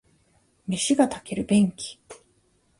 飯が炊ける便器